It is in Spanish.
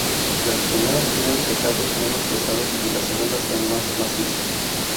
Las primeras tienen tejados menos pesados y las segundas son más macizas.